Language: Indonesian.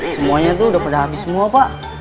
semuanya tuh udah pada habis semua pak